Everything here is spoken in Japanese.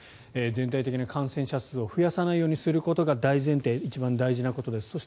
全体的な感染者数を増やさないようにすることが大前提、一番大事なことです。